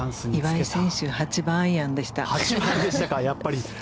岩井選手８番アイアンでした。